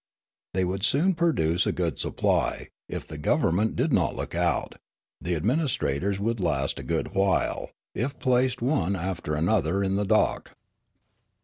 They would soon produce a good supply, if the government did not look out ; the administrators would last a good while, if placed one after another in the dock.